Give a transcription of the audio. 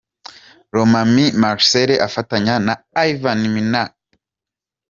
Lomami Marcel afatanya na Ivan Minaert.